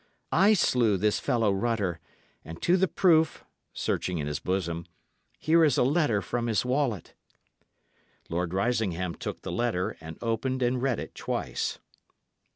I slew this fellow Rutter; and to the proof" searching in his bosom "here is a letter from his wallet." Lord Risingham took the letter, and opened and read it twice.